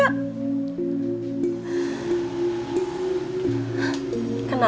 anak harus berbakti kepada orang tua